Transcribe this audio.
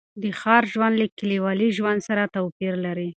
د ښار ژوند له کلیوالي ژوند سره توپیر لري.